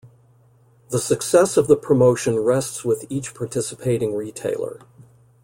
The success of the promotion rests with each participating retailer.